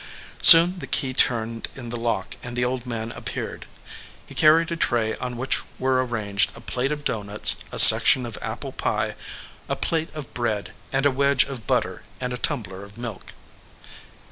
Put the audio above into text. Soon the key turned in the lock and the old man appeared. He carried a tray on which were ar ranged a plate of doughnuts, a section of apple pie, a plate of bread, and a wedge of butter and a tum bler of milk.